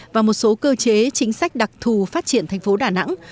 và một số cơ chế chính sách đặc thù phát triển thành phố đà nẵng